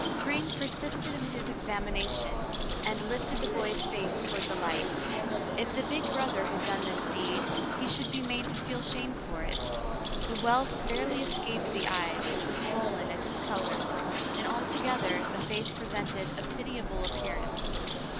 Thryng persisted in his examination, and lifted the boy's face toward the light. If the big brother had done this deed, he should be made to feel shame for it. The welt barely escaped the eye, which was swollen and discolored ; and altogether the face presented a pitiable appearance.